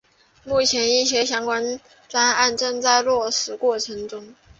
目前一些相关专案正在落实过程中。